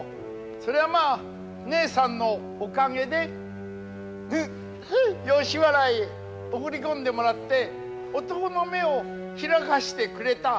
そりゃまあねえさんのおかげでフフ吉原へ送り込んでもらって男の目を開かしてくれた。